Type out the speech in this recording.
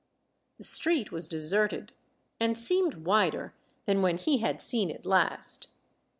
The street was deserted, and seemed wider than when he had seen it last.